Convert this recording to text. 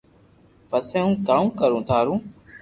پسي ھون ڪاوُ ڪرو ٿارو